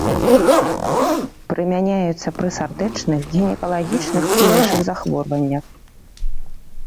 Прымяняюцца пры сардэчных, гінекалагічных і іншых захворваннях.